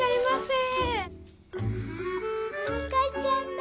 あ赤ちゃんだ。